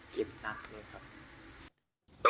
เจ็บหนักเลยครับ